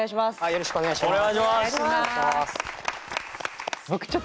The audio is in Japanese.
よろしくお願いします。